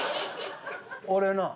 俺な